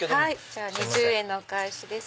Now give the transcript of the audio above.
じゃあ２０円のお返しです。